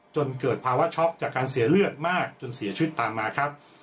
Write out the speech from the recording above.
จนเกิดภาวะช็อกจากการเสียเลือดมากจนเสียชีวิตตามมาครับ